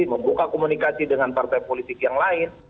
membuka komunikasi dengan partai politik yang lain